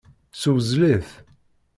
Ssewzel-it.